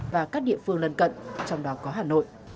và các địa phương lân cận trong đó có hà nội